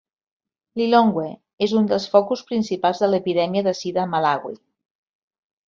Lilongwe és un dels focus principals de l'epidèmia de sida a Malawi.